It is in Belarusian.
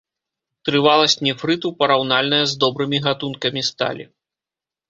Трываласць нефрыту параўнальная з добрымі гатункамі сталі.